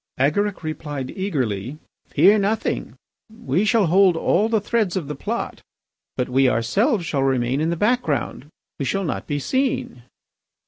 Agaric replied eagerly: "Fear nothing. We shall hold all the threads of the plot, but we ourselves shall remain in the background. We shall not be seen."